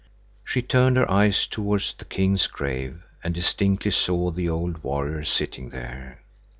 She turned her eyes towards the king's grave and distinctly saw the old warrior sitting there.